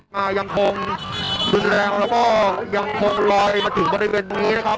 มายังคงรุนแรงแล้วก็ยังคงลอยมาถึงบริเวณนี้นะครับ